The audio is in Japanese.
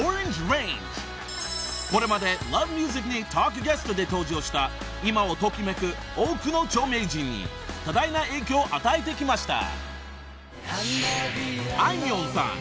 ［これまで『Ｌｏｖｅｍｕｓｉｃ』にトークゲストで登場した今を時めく多くの著名人に多大な影響を与えてきました］